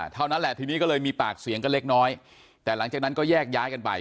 เท่านั้นแหละทีนี้ก็เลยมีปากเสียงกันเล็กน้อยแต่หลังจากนั้นก็แยกย้ายกันไป